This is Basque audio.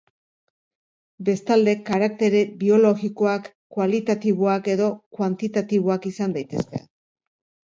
Bestalde, karaktere biologikoak kualitatiboak edo kuantitatiboak izan daitezke.